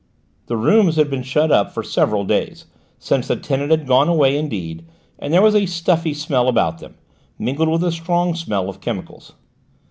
The rooms had been shut up for several days, since the tenant had gone away indeed, and there was a stuffy smell about them, mingled with a strong smell of chemicals.